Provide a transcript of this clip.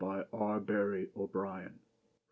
BY R. BARRY O'BRIEN.